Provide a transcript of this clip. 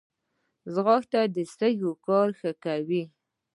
ځغاسته د سږي کار ښه کوي